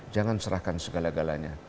jangan serahkan segala galanya